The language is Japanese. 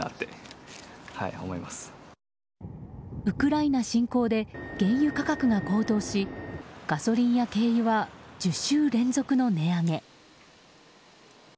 ウクライナ侵攻で原油価格が高騰しガソリンや軽油は１０週連続の値上げ。